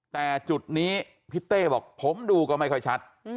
แต่จุดนี้พี่เต้บอกผมดูก็ไม่ค่อยชัด